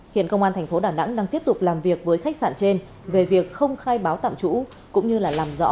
hiện công an thành phố đà nẵng đang tiếp tục làm việc với khách sạn trên về việc không khai báo tạm trú cũng như là làm rõ